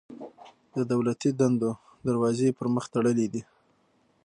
د دولتي دندو دروازې یې پر مخ تړلي دي.